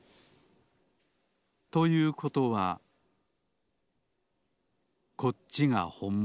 ということはこっちがほんもの